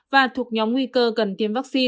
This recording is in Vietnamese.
và thuộc nhóm nguy cơ cần tiêm vaccine